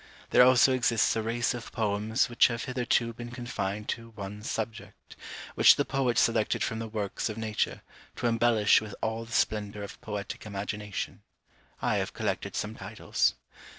There also exists a race of poems which have hitherto been confined to one subject, which the poet selected from the works of nature, to embellish with all the splendour of poetic imagination. I have collected some titles.